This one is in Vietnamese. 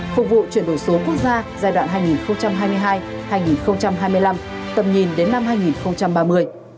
phục vụ chuyển đổi số quốc gia giai đoạn hai nghìn hai mươi hai hai nghìn hai mươi năm tầm nhìn đến năm hai nghìn ba mươi